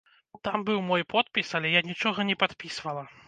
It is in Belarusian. Там быў мой подпіс, але я нічога не падпісвала!